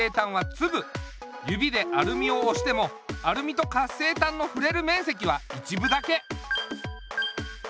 指でアルミをおしてもアルミと活性炭のふれるめんせきは一部だけ。